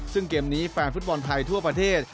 ซึ่งเกมนี้แฟนฟุตบอลไทยทั่วประเทศ